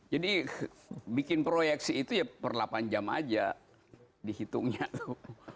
jadi bikin proyeksi itu ya per delapan jam aja dihitungnya tuh